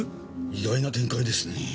意外な展開ですね。